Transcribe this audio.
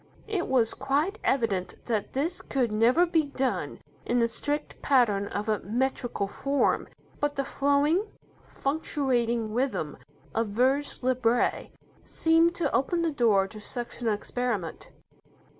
It was quite evident that this could never be done in the strict pattern of a metrical form, but the flowing, fluctuating rhythm of vers libre seemed to open the door to such an experiment.